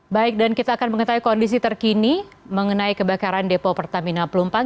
baik dan kita akan mengetahui kondisi terkini mengenai kebakaran depo pertamina pelumpang